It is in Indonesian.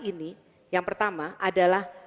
ini yang pertama adalah